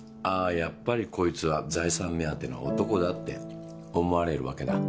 やっぱりこいつは財産目当ての男だって思われるわけだ。